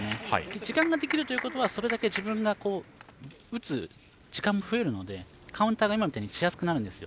時間ができるということはそれだけ自分が打つ時間が増えるので、カウンターが今みたいにしやすくなるんですよ。